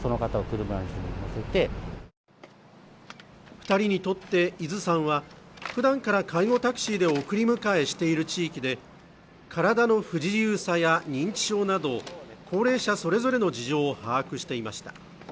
二人にとって伊豆山は普段から介護タクシーで送り迎えしている地域で体の不自由さや認知症など高齢者それぞれの事情を把握していました